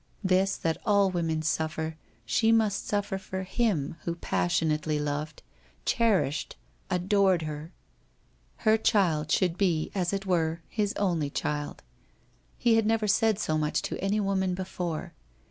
This that all women suffer she must suffer for him who passionately loved, cherished, adored her. Her child should be, as it were, his only child. He had never said so much to any woman before.